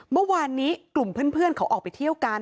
เมื่อวานนี้กลุ่มเพื่อนเขาออกไปเที่ยวกัน